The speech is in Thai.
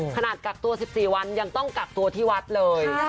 ขนาดกักตัว๑๔วันยังต้องกักตัวที่วัดเลย